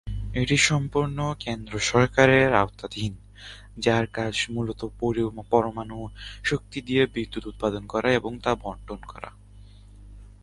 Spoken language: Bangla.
এটি সম্পূর্ণভাবে কেন্দ্র সরকারের আওতাধীন; যার কাজ মূলত পরমাণু শক্তি থেকে বিদ্যুৎ উৎপাদন করা এবং তা বণ্টন করা।